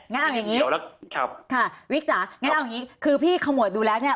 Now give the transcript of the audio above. งั้นเอาอย่างนี้คือพี่ขมวดดูแล้วเนี่ย